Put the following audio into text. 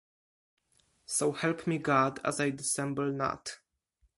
So help me God as I dissemble not.